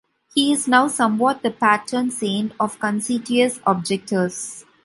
He is now somewhat the patron saint of conscientious objectors.